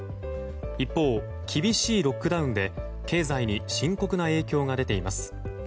一方、厳しいロックダウンで経済に深刻な影響が出ています。